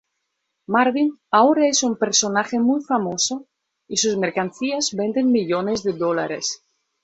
Marvin ahora es un personaje muy famoso y sus mercancías venden millones de dólares.